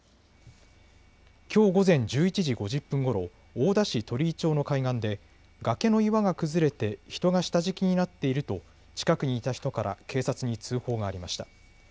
きょう午前１１時５０分ごろ大田市鳥井町の海岸で崖の岩が崩れて人が下敷きになっていると近くにいた人から警察に通報がありました。